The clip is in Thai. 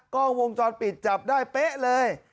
กล้องวงจรปิดจับได้เป๊ะเลย